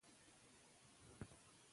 ټولنیزې رسنۍ د خلکو ترمنځ اړیکې پیاوړې کوي.